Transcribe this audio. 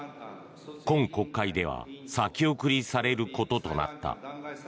今国会では先送りされることとなった。